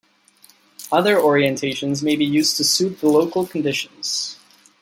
Other orientations may be used to suit the local conditions.